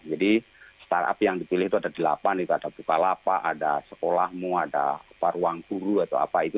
jadi startup yang dipilih itu ada delapan ada bukalapak ada sekolahmu ada paruangguru atau apa itu